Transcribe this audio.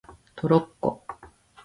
トロッコ